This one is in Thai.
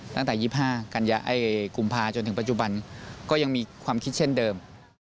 ตั้งแต่๒๕กุมภาจนถึงปัจจุบันก็ยังมีความคิดเช่นเดิม